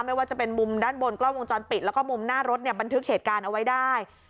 ไม่ว่าจะเป็นมุมด้านบนกล้องวงจรปิดแล้วก็มุมหน้ารถเนี่ยบันทึกเหตุการณ์เอาไว้ได้